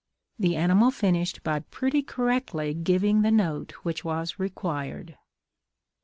The animal finished by pretty correctly giving the note which was required.